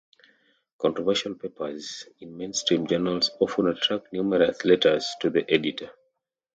Controversial papers in mainstream journals often attract numerous letters to the editor.